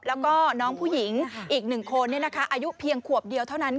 แล้วก็น้องผู้หญิงอีก๑คนอายุเพียงขวบเดียวเท่านั้น